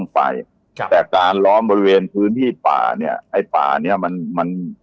ไปกับการล้อมบริเวณพื้นที่ป่าไอ้ป่านี้มัน